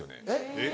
えっ？